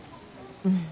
うん。